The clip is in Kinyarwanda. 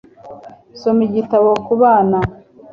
soma igitabo ku bana